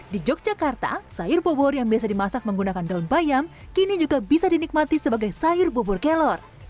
di yogyakarta sayur bobor yang biasa dimasak menggunakan daun bayam kini juga bisa dinikmati sebagai sayur bobor kelor